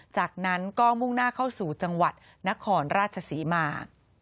จากนั้นก็มุ่งหน้าเข้าสู่จังหวัดนครราชศรีมา